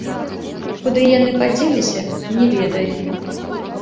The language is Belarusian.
Куды яны падзеліся, не ведаю.